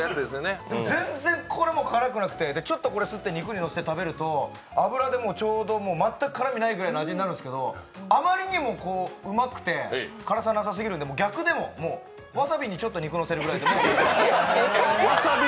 全然これ、辛くなくて、ちょっとすって肉にのせて食べると油で全く辛みがない感じになるんですけど、あまりにもうまくて辛さなさすぎるんで、逆でも、わさびに肉をちょっとのせるぐらいでも。